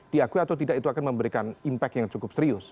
diakui atau tidak itu akan memberikan impact yang cukup serius